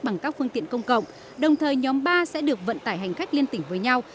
bằng các phương tiện công cộng đồng thời nhóm ba sẽ được vận tải hành khách liên tỉnh với nhau